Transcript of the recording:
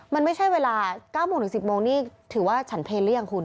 มันไม่ใช่เวลา๙โมงถึง๑๐โมงนี่ถือว่าฉันเพลหรือยังคุณ